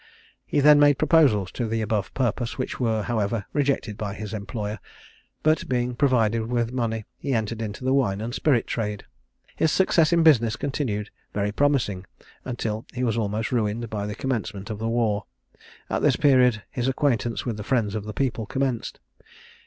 He then made proposals to the above purpose, which were, however, rejected by his employer; but being provided with money, he entered into the wine and spirit trade. His success in business continued very promising, until he was almost ruined by the commencement of the war. At this period his acquaintance with the Friends of the People commenced.